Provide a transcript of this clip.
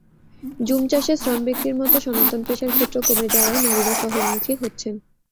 জুমচাষে শ্রম বিক্রির মতো সনাতন পেশার ক্ষেত্র কমে যাওয়ায় নারীরা শহরমুখী হচ্ছেন।